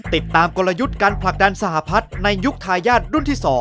กลยุทธ์การผลักดันสหพัฒน์ในยุคทายาทรุ่นที่๒